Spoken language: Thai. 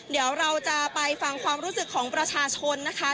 เดี๋ยวเราจะไปฟังความรู้สึกของประชาชนนะคะ